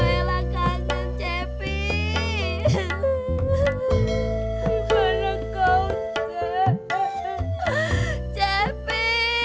om baiklah kangen cepi